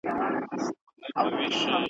چا پر خرو چا به په شا وړله بارونه `